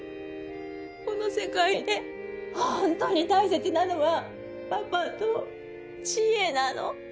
この世界でホントに大切なのはパパと知恵なの。